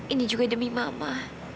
ini juga demi mama